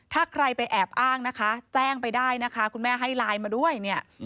ถ้าใครไปแอบอ้างนะคะแจ้งไปได้นะคะคุณแม่ให้ไลน์มาด้วยเนี่ย